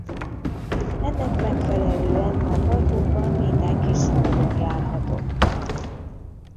Ennek megfelelően a parkokban mindenki szabadon járhatott.